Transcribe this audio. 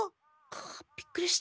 びっくりしたあ。